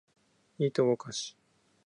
いとをかし